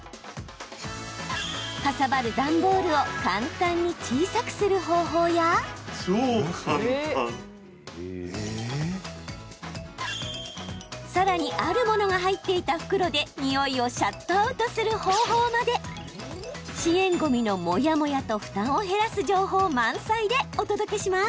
かさばる段ボールを簡単に小さくする方法やさらにあるものが入っていた袋でにおいをシャットアウトする方法まで資源ごみのモヤモヤと負担を減らす情報満載でお届けします。